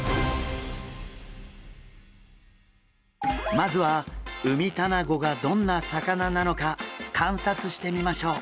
まずはウミタナゴがどんな魚なのか観察してみましょう。